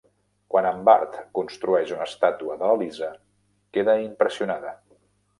Quan en Bart construeix una estàtua de la Lisa, queda impressionada.